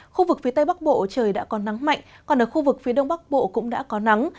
khu vực phía tây bắc bộ trời đã có nắng mạnh còn ở khu vực phía đông bắc bộ cũng đã có nắng